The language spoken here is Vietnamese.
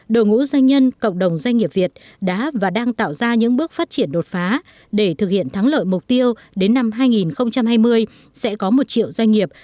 đồng ngũ doanh nhân cộng đồng doanh nghiệp việt đã và đang tạo ra những bước phát triển đột phá để thực hiện thắng lợi mục tiêu đến năm hai nghìn hai mươi sẽ có một triệu doanh nghiệp